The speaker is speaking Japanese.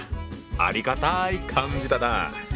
ありがたい漢字だなぁ。